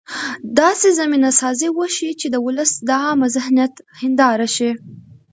داسې زمینه سازي وشي چې د ولس د عامه ذهنیت هنداره شي.